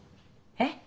えっ？